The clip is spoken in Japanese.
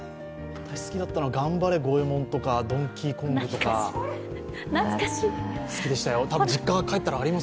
好きだったのは頑張れ五右衛門とか「ドンキー・コング」とか好きでしたよ。